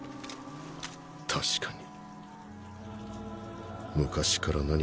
確かに。